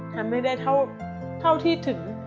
ทำให้ได้เท่าที่ถึง